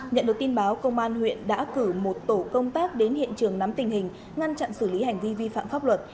nhận được tin báo công an huyện đã cử một tổ công tác đến hiện trường nắm tình hình ngăn chặn xử lý hành vi vi phạm pháp luật